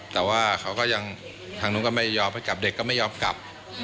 แต่ว่าเขาก็ยังทางนู้นก็ไม่ยอมให้กลับเด็กก็ไม่ยอมกลับ